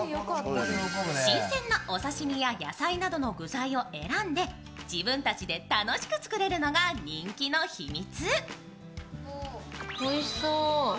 新鮮なお刺身や野菜などの具材を選んで自分たちで楽しく作れるのが人気の秘密。